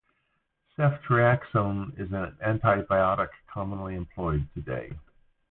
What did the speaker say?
Ceftriaxone is an antibiotic commonly employed today.